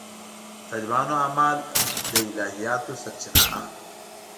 د طالبانو اعمال له الهیاتو سرچینه اخلي.